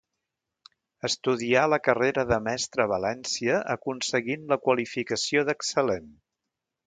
Estudià la carrera de mestra a València aconseguint la qualificació d'excel·lent.